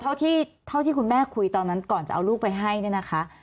เท่าที่คุณแม่คุยตอนนั้นก่อนจะเอาลูกไปให้เนี่ยนะคะ